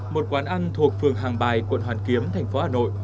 một quán ăn thuộc phường hàng bài quận hoàn kiếm thành phố hà nội